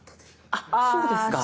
あそうですか。